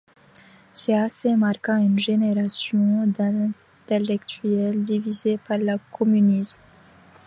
Cet essai marqua une génération d’intellectuels divisée par le communisme.